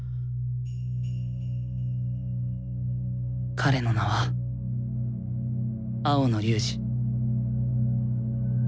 彼の名は青野龍仁。